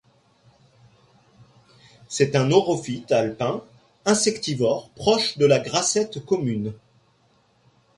C'est un orophyte alpin insectivore proche de la grassette commune.